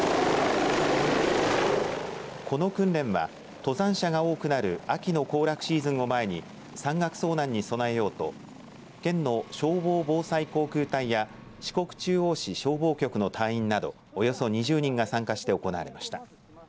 この訓練は登山者が多くなる秋の行楽シーズンを前に山岳遭難に備えようと県の消防防災航空隊や四国中央市消防局の隊員などおよそ２０人が参加して行われました。